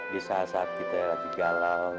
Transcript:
di saat saat kita lagi galau